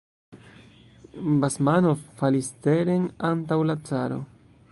Basmanov falis teren antaŭ la caro.